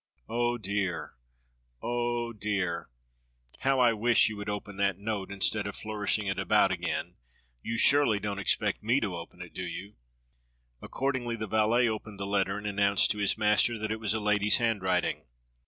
Oh, dear, oh, dear ! How I wish you would open that note, instead of flourishing it about again. You surely don't expect me to open it, do you?" 2Q6 DOCTOR SYN Accordingly the valet opened the letter and announced to his master that it was a lady's handwriting.